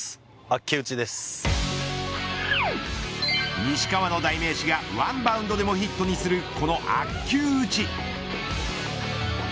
西川の代名詞がワンバウンドでもヒットにするこの悪球打ち。